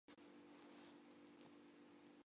日木伦独宫位于当圪希德独宫西北方向。